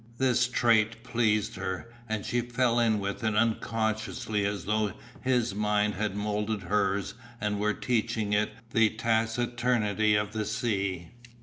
This trait pleased her, and she fell in with it unconsciously as though his mind had moulded hers and were teaching it the taciturnity of the sea.